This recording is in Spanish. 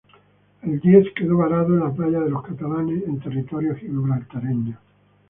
El "Díez" quedó varado en la Playa de los Catalanes, en territorio gibraltareño.